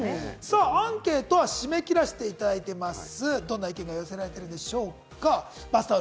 アンケートは締め切らせていただいています。